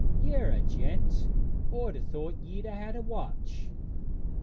'Yer a gent; I'd 'a thought ye'd 'a had a watch.'